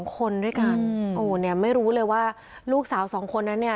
๒คนด้วยกันโอ้เนี่ยไม่รู้เลยว่าลูกสาว๒คนนั้นเนี่ย